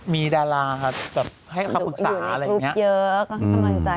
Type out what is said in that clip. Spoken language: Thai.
มีดาราให้ความปรึกษาอะไรอย่างนี้